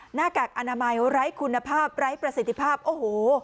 หน้ากากอนามัยไร้คุณภาพไร้ประสิทธิภาพโอ้โห